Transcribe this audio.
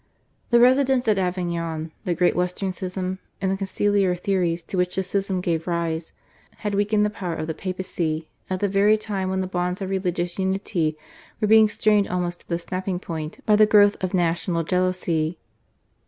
The residence at Avignon, the Great Western Schism, and the conciliar theories to which the Schism gave rise, had weakened the power of the Papacy at the very time when the bonds of religious unity were being strained almost to the snapping point by the growth of national jealousy.